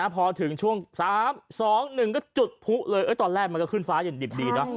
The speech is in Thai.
พอถึงช่วง๓๒๑ก็จุดผู้เลยตอนแรกมันก็ขึ้นฟ้าอย่างดิบดีนะ